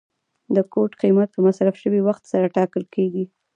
د کوټ قیمت په مصرف شوي وخت سره ټاکل کیږي.